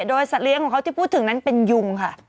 โดยสัตว์เลี้ยงของเขาที่พูดถึงนั้นเป็นยุงค่ะ